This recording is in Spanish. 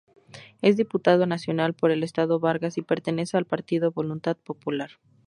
Es diputado nacional por el estado Vargas y pertenece al partido Voluntad Popular.